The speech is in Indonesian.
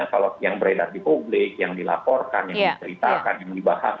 kalau yang beredar di publik yang dilaporkan yang diceritakan yang dibahas